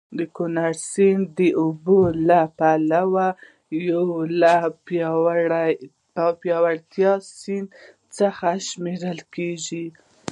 د کونړ سیند د اوبو له پلوه یو له پیاوړو سیندونو څخه شمېرل کېږي.